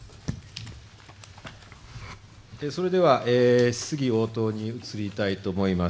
それでは、質疑応答に移りたいと思います。